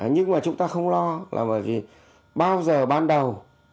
nhưng mà chúng ta không lo là bởi vì bao giờ ban đầu